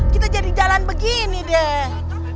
kita jadi jalan begini deh